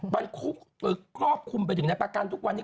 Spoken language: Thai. คุกครอบคลุมไปถึงในประกันทุกวันนี้